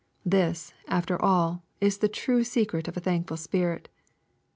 This, after all, is the true secret of a thankful spirit.